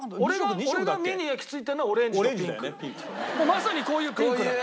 まさにこういうピンクなの。